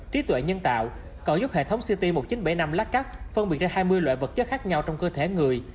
trí tuệ nhân tạo còn giúp hệ thống city một nghìn chín trăm bảy mươi năm lát cắt phân biệt ra hai mươi loại vật chất khác nhau trong cơ thể người